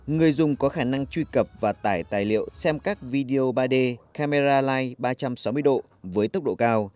người dùng có khả năng truy cập và tải tài liệu xem các video ba d camera lie ba trăm sáu mươi độ với tốc độ cao